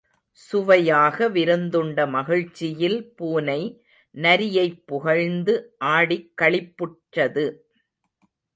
சுவையாக விருந்துண்ட மகிழ்ச்சியில் பூனை நரியைப் புகழ்ந்து ஆடிக் களிப்புற்றது.